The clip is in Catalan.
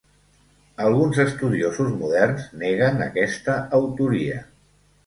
Alguns estudiosos moderns neguen aquesta autoria.